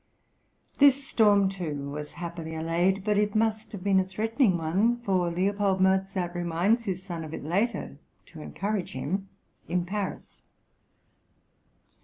This storm, too, was happily allayed, but it must have been a threatening one, for L. Mozart reminds his son of it later, to encourage him, in Paris.